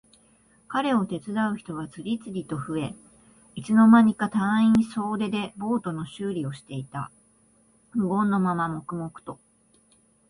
彼を手伝う人は次々と増え、いつの間にか隊員総出でボートの修理をしていた。無言のまま黙々と。